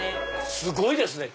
すごいですね。